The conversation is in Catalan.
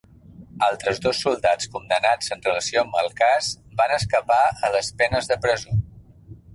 Altres dos soldats condemnats en relació amb el cas, van escapar a les penes de presó.